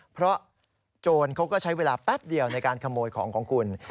เพราะโจรเขาก็ใช้เวลาแป๊บเดียวในการขโมยของของคุณ